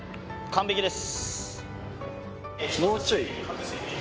完璧です。